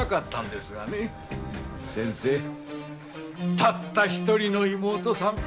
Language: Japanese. たった一人の妹さん。